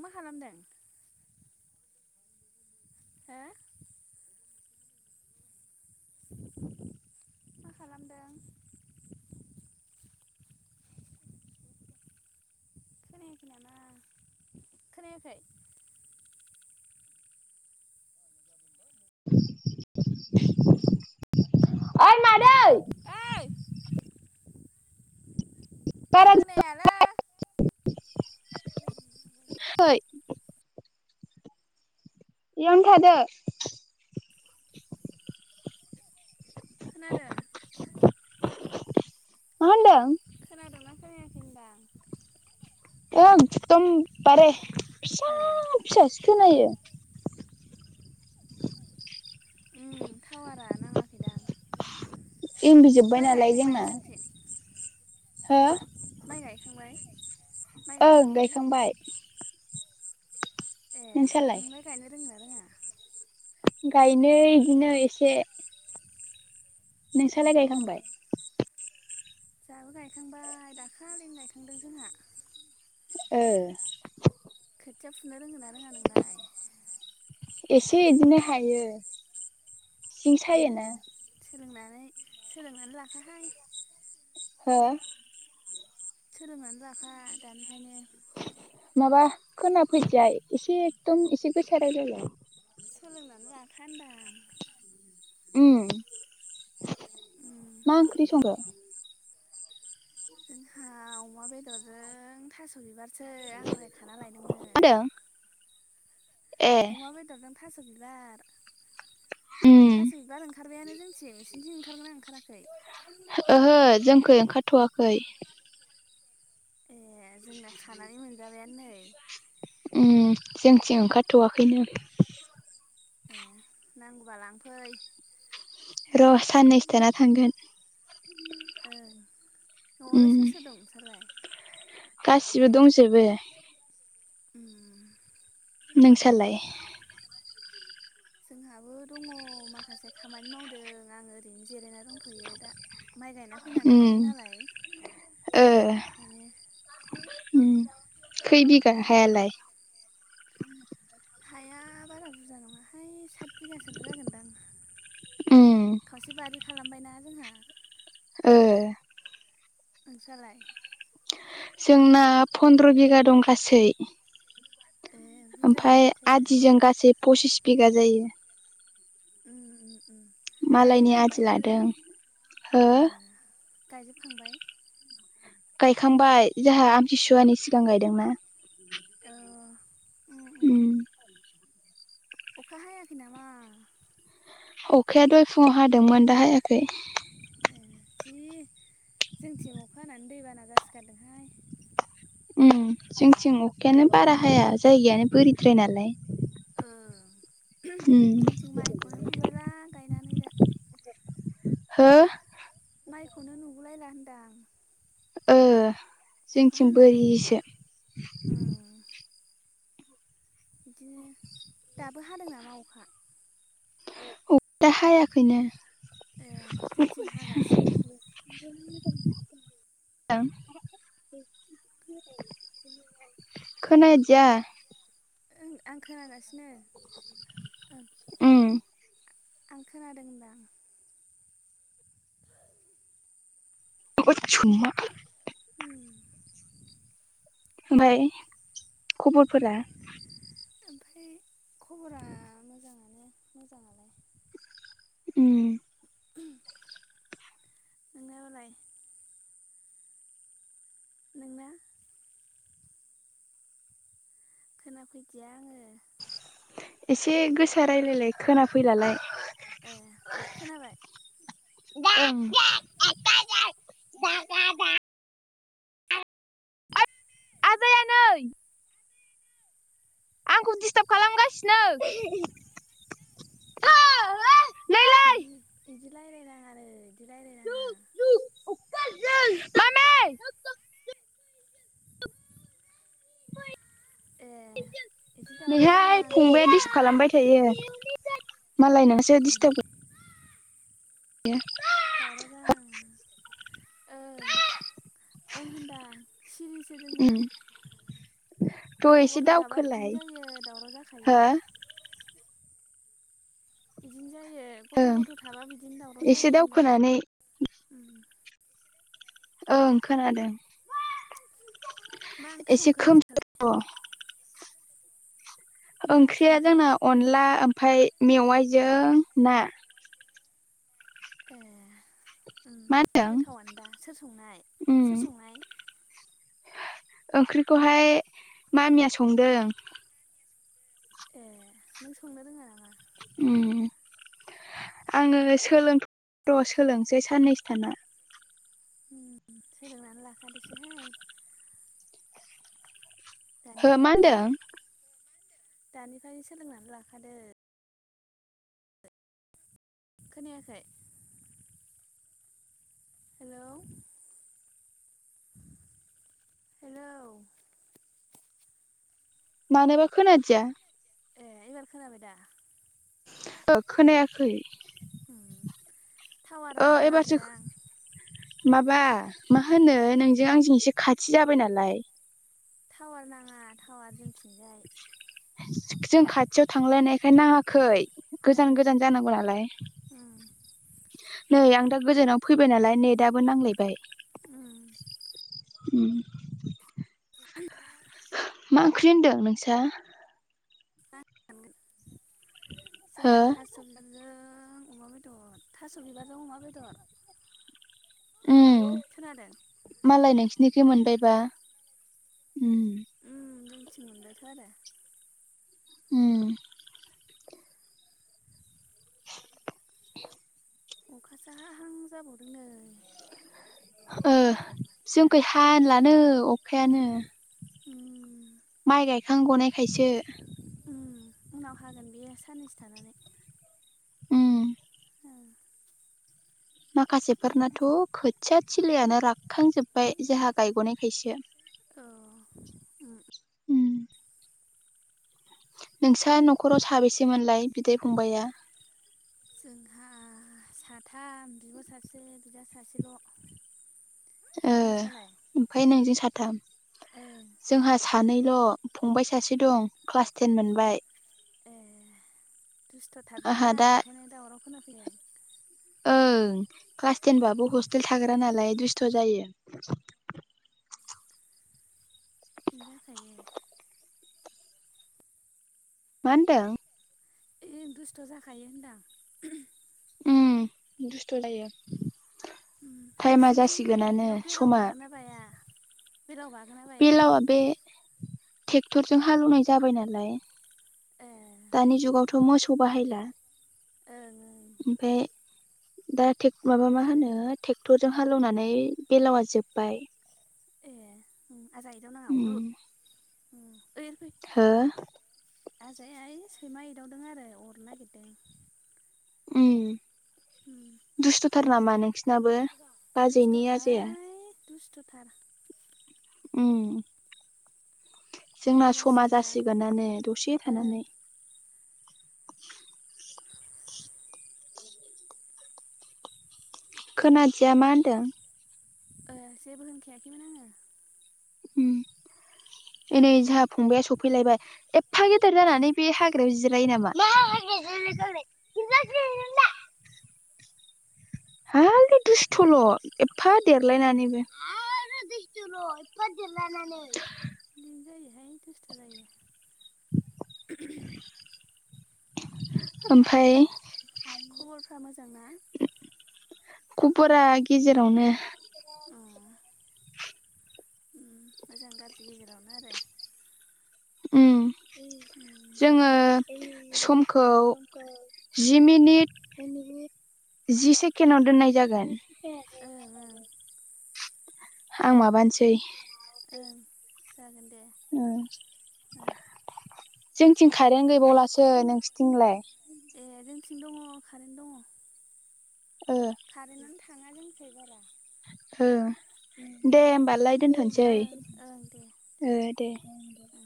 मा खालामदों? हो [unintelligible] मा खालामदों? खोनायाखै नामा खोनायाख? ओइ मादै ऐ बारा खोनायालै [inaudible] है इयावनो थादो खोनादों मा होनदों दोंना खोनायाखै होनदां एकदम बारे फिसा ए फिसासो खोनायो उम टावारा नाङाखैदां एमबि जोब्बाय माइ नालाय गायखांबाय जोंना नोंसोरनिथिं हो गायखांबाय ओं गायखांबाय ए नोंसालाय नोंलाय गायनो रोङो ना रोङा? गायनो इदिनो एसे नोंसालाय गायखांबाय? जाहाबो गायखांबाय दाखालिनो गायखांदों जोंहा ए खोथिया फुनो रोङो ना रोङा नोंलाय? एसे इदिनो हायो सिं सायोना नै सोलोंनानै लाखाहाय हो सोलोंनानै लाखा दानिफ्रायनो माबा खोनाफैदिआ एसे एकदम एसे गोसा रायलायलाय [unintelligible] ओम जोंहा मा ओंख्रि संखो? जोंहा अमा बेदरजों थास बिबारसो आं दहाय खाना लायदोंमोन। मा होनदों ए अमा बेदरजों थास बिबार उम थास बिबार ओंखारबायानो जोंथिं नोंसिनिथिं ओंखारदोंना ओंखारा। ओहो जोंनिखै ओंखारथवाखै ए जोंना खानानै मोनजाबायानो नै। ओम जोंथिं ओंखारथवाखैनो। ए नांगौबा लांफै। र साननैसोथाना थांगोन। ओं नआवलाय उम सोर सोर दं नोंस्रालाय। गासिबो दंजोबो। उम नोंसालाय जोंहाबो दङ माखासे खामानि मावदों आं ओरैनो जिरायना दंथयो दा। माइ गायना फैना उम मेंदों नालाय ओ ओंखायनो। उम खै बिगा हायालाय? हाया बारा बुरजा नङाहाय साथ बिगासोल जागोनदां। उम खावसे बारि खालामबायना जोंहा। ओ नोंसालाय जोंना फनन्द्र बिगा दं गासै। ए बुरजायानो ओमफ्राय माथो आदिजों गासै फसिस बिगा जायो। उम उम उम मालायनि गायजोबखांबाय आदि लादों हो। ओ गायजोबखांबाय। गायखांबाय जोंहा आमतिसुवानि सिगां गायदोंना। ओ उम अखा हायाखै नामा? अखाया दहाय फुङाव हादोंमोन दाहायाखै। ए जि जोंनिथिं अखा हानानै दैबाना जासोगारदोंहाय। उम जोंनिथिं उम अखायानो बारा हाया जायगायानो बोरिद्राय नालाय। ओं उम जोंनिथिं माइखौनो नुलायला गायनानै दा। हो माइखौनो नुगुलायला होनदांं। ओ जोंनिथिं बोरिसो। उम बिदिनो दाबो हादों नामा अखा। दाहायाखैनो। ए जोंथिं हागासिनो [unintelligible] खोनादिया। ओं आं खोनागासिनो ओं। उम आं खोनादों होनदां। होद सैमा। उम ओमफ्राय खबरफोरा। ओमफ्राय खबरा मोजाङानो मोजाङालाय। उम उम नोंथांनालाय? नोंना खोनाफैदिया आङो। एसे गोसा रायलायलाय खोना फैलालाय। ए खोनाबाय? [unintelligible] [inaudible] आजाया नै आंखौ दिस्टार्ब खालामगासिनो ओ है बिदि बिदि रायलायनाङानो बिदि जुब जुब अखा जों मामे ए [inaudible] इदि दावराव बेहाय जानाङानो फंबाया दिसब खालामबाय थायो मालाय नसो उम दिडिस्टाब दावराव जानाङा ओं ओं होनदां सिरिसो जोंना उम थ' गथ' एसे गथ' थाबा बिदिनो दावखोलाय जायो दावराव हो जाखायो बिदिनो जायो गथ' गथ' थाबा बिदिनो दावराव एसे जायो होनदां दावखोनानै उम ओं खोनादों मा ओंख्रि एसे संखो खोमथ नोंसालाय मा ओंख्रि ओंख्रिया संखो जोंना अनला ओमफाय मेवाइजों ना ए उम मा गोथावनो दा सोर संनाय उम सोर संनाय ओंख्रिखौहाय मामिया संदों ए नों संनो रोंङा नामा आंङो सोलोंथ र सोलोंसै साननैसोथाना सोलोंनानै लाखादोसोहाय हो दानिफ्रायनो माहोनदों दानिफ्रायनो सोलोंनानै लाखादो खोनायाखै हेलौ हेलौ मानोबा खोनादिया ए एबार खोनाबाय दा खोनायाखै टावारा ओ एबारसो नाङांखैदां माबा मा होनो नोंजों आंजों एसे खाथि जाबाय नालाय टावार नाङा टावार जोंथिंजाय जों खाथियाव थांलायनायखाय नांङाखै गोजान ओं गोजान जानांगौ नालाय उम नै आं दा गोजानाव फैबाय नालाय नेटआबो नांलायबाय उम उम मा ओंख्रि होनदों नोंसा सानगोन हो जोंहा थासोमदोनजों जों अमा बेदर थास बिबारजों अमा बेदर उम खोनादों मालाय नोंसिनिखै ए मोनबायबा उम जोंथिं मोनबायथ आरो उम अखासो हाहां जाबावदों नै ओ जोंखौ हालानो अखायानो उम माइ गायखां गनायखायसो उम उनाव हागोन बेयो साननैसो थानानै उम ओं माखासेफोरनाथ खोथिया थलयानो राग। खांजोब्बाय जोंहा गायग नायखायसो। उ। उ। नोंस्रा न'खराव साबेसेमोनलाय बिदा फंबाइआ? जोंहा साथाम बिब' सासे बिदा सासेल'। ओ नोंसालाय ओमफफ्राय नोंजों साथाम ओं जोंहा सानैल'। फंबाय सासे दं क्लास टेन मोनबाय। ए आंहा दुस्थ'थारदांना दा ओंखायनो दावराव खोनाफैदों। ओं क्लास उम टेनबाबो हस्टेल थाग्रा नालाय दुस्थ' जायो। थिन्जखाय। मा होनदों? ए दुस्थ' जाखायो होनदां। ओम दुस्थ' जायो। टाइमा नोंसिनिथिं माइ जासिगोनानो गायनायाव बेलाव समा बागोना बाया बेलाव बागोन। ना बाया बेलावा बे ट्रेक्टरजों हालेवनाय जाबाय नालाय ए दानि जुगावथ' मोसौ बाहायला ओमफाय ए। दा टेक माबा मा होनो ट्रेक्टरजों हालेवनानै बेलावा जोब्बाय। राजा एदाव नाङा अरो। उम उम हो। आजा आइ सैमा एदावदों आरो अरनो नागिरदों। उ। उम दुस्थ'थार नामा नोंसिनाबो बाजैनि आजाया। दुस्थ'हाय दुस्थ'थार। उम। जोंना टाइम समा जासिगोनदां जासिगोनानो दसे ओं थानानै। खोनादिया मा होनदों? जेबो होनखायाखैमोन आङो। एनै जोंहा फंबाया सफैलायबाय एफा गेदेर जानानै बे हाग्रा जिरायो नामा। हाललि दुस्थल' एफा देरलायनानै उम बो। ' इफा देरलायनानै। बिदिनो जायोहाय दुस्थ जायो। ओमफ्राय। खबरफ्रा मोजां ना खबरा गेजेरावनो। ओ मोजां गाज्रि गेजेरावनो आरो। उम उम जोङो। समखौ जि मिनिट। जि सेकेणडाव दोननाय जागोन। ओं ओं। आं माबानोसै। ओं जागोन दे। औ। ओं जोंथिं खारेन् गैबावलासो नोंसोरथिंलाय। ए जोंथिं दङ कारेन्ट दङ। ओ कारेन्टानो थाङा जोंनिखै बारा। औ। दे होमबालाय दोनथ'सै ओं ओं दे दे। ओं